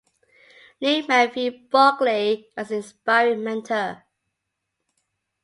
Liebman viewed Buckley as an inspiring mentor.